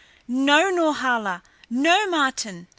No Norhala! No, Martin!"